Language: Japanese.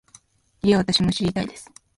ええ、私も知りたいです